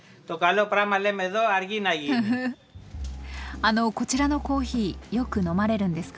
あのこちらのコーヒーよく飲まれるんですか？